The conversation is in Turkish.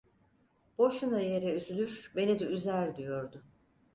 Boşuna yere üzülür, beni de üzer! diyordu.